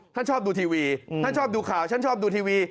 ท่านชอบดูทีวีอืมท่านชอบดูข่าวฉันชอบดูทีวี